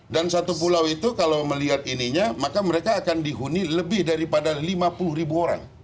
dan satu pulau itu kalau melihat ininya maka mereka akan dihuni lebih daripada lima puluh ribu orang